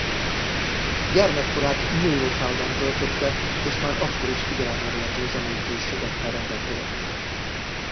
Gyermekkorát New Rochelle-ben töltötte és már akkor is figyelemre méltó zenei készségekkel rendelkezett.